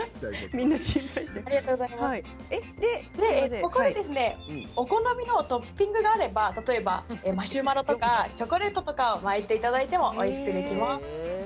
ここでお好みのトッピングがあればマシュマロとかチョコレートを巻いていただいてもおいしくできます。